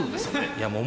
いやもう。